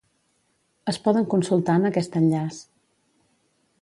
Es poden consultar en aquest enllaç.